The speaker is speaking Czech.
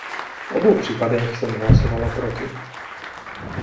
V obou případech jsem hlasovala proti.